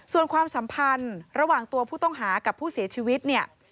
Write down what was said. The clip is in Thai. ส่วนความสัมพันธ์ระหว่างตัวผู้ต้องหากับผู้เสียชีวิตเนี่ย